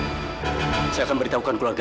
amirah masih sedang berbentuk kerja